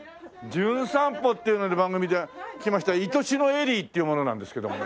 『じゅん散歩』っていうので番組で来ました『いとしのエリー』っていう者なんですけどもね。